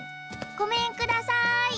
ごめんください。